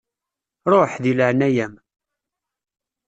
Ruḥ, deg leεnaya-m.